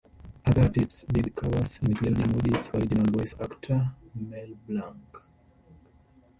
Other artists did covers, including Woody's original voice actor, Mel Blanc.